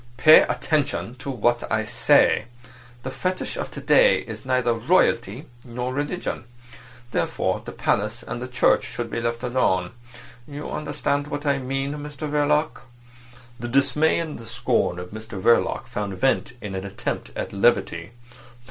"Pay attention to what I say. The fetish of to day is neither royalty nor religion. Therefore the palace and the church should be left alone. You understand what I mean, Mr Verloc?" The dismay and the scorn of Mr Verloc found vent in an attempt at levity.